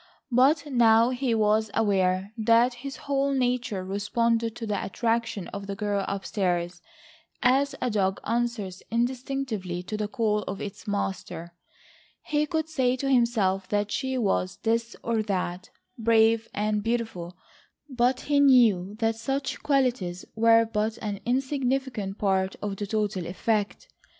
But now he was aware that his whole nature responded to the attraction of the girl upstairs, as a dog answers instinctively to the call of its master. He could say to himself that she was this or that,—brave and beautiful, but he knew that such qualities were but an insignificant part of the total effect.